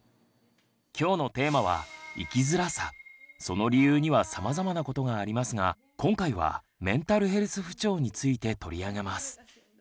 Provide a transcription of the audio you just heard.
今日のテーマはその理由にはさまざまなことがありますが今回は「メンタルヘルス不調」について取り上げます。